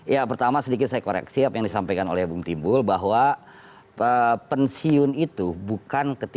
ya pertama sedikit saya koreksi apa yang disampaikan oleh bang timbul bahwa pensiun itu bukan ketika zaman pak jokowi